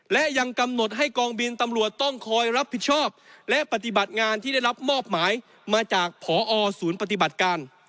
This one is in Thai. และยังกำหนดให้กองบินตำรวจต้องคอยรับผิดชอบและปฏิบัติงานที่ได้รับมอบหมายมาจากผอศูนย์ปฏิบัติการ